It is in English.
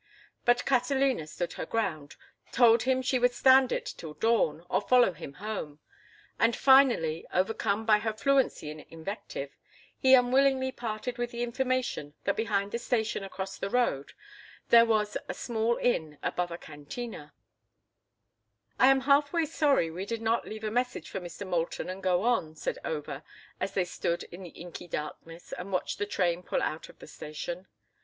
But Catalina stood her ground, told him she would stand it till dawn, or follow him home; and finally, overcome by her fluency in invective, he unwillingly parted with the information that behind the station across the road there was a small inn above a cantina. "I am half way sorry we did not leave a message for Mr. Moulton and go on," said Over, as they stood in the inky darkness and watched the train pull out of the station.